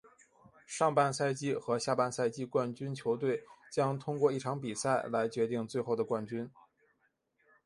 上半赛季和下半赛季冠军球队将通过一场比赛来决定最后的冠军。